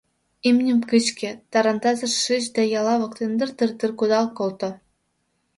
Имньым кычке, тарантасыш шич да ялла воктен дыр-дыр-дыр кудал колто.